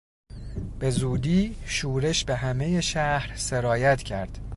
به زودی شورش به همهی شهر سرایت کرد.